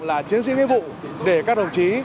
là chiến sĩ nhiệm vụ để các đồng chí